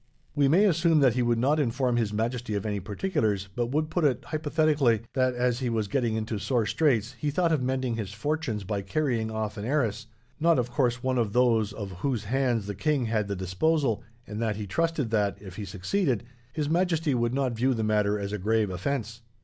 "We may assume that he would not inform His Majesty of any particulars, but would put it, hypothetically, that as he was getting into sore straits, he thought of mending his fortunes by carrying off an heiress not, of course, one of those of whose hands the king had the disposal; and that he trusted that, if he succeeded, His Majesty would not view the matter as a grave offence.